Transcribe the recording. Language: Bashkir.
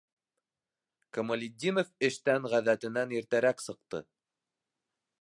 Камалетдинов эштән ғәҙәтенән иртәрәк сыҡты.